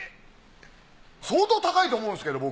相当高いと思うんですけど僕。